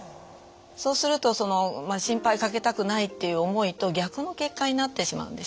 そうするとその心配かけたくないという思いと逆の結果になってしまうんですね。